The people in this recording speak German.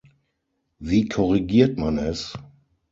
Wie korrigiert man es?